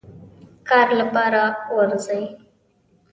کار لپاره وروزی.